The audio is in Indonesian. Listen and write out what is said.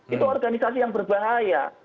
itu organisasi yang berbahaya